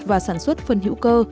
và sản xuất phân hữu cơ